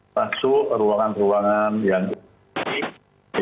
langsung ruangan ruangan yang lebih tinggi